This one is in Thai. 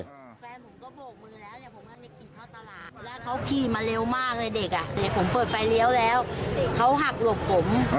แล้วเขาขี่มาเร็วมากเลยเด็กอ่ะเด็กผมเปิดไฟเลี้ยวแล้ว